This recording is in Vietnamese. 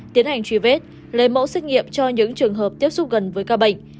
tiến hành truy vết lấy mẫu xét nghiệm cho những trường hợp tiếp xúc gần với ca bệnh